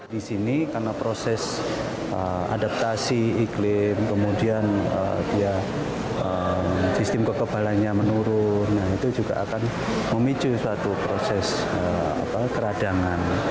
di sini karena proses adaptasi iklim kemudian dia sistem kekebalannya menurun itu juga akan memicu suatu proses keradangan